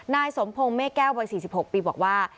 นายสมพงศ์เมฆแก้ววัย๔๖ปีบอกว่า